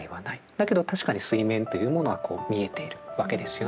だけど確かに水面というものは見えているわけですよね。